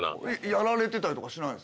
やられてたりとかしないですか？